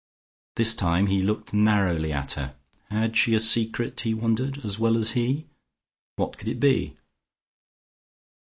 This time he looked narrowly at her. Had she a secret, he wondered, as well as he? What could it be?...